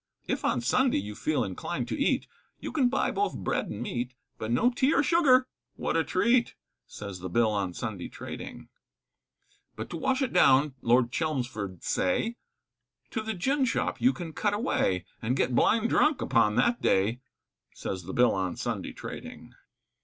If on Sunday you feel inclined to eat, You can buy both bread and meat, But no tea or sugar, what a treat! Says the Bill on Sunday trading But to wash it down, Lord Chelmsford say, To the gin shop you can cut away And get blind drunk upon that day, Says the Bill on Sunday trading.